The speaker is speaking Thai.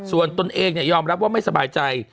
ส่วนตนเองยอมรับว่าไม่สบายใจ